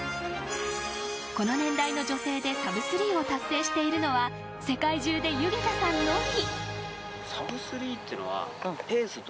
この年代の女性でサブ３を達成しているのは世界中で弓削田さんのみ。